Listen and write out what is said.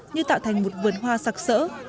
như tạo thành một vườn hoa sạc sỡ